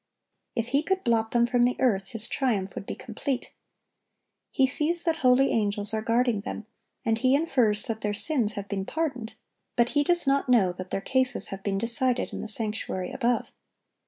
If he could blot them from the earth, his triumph would be complete. He sees that holy angels are guarding them, and he infers that their sins have been pardoned; but he does not know that their cases have been decided in the sanctuary above.